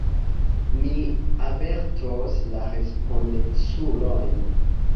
Mi avertos la respondeculojn.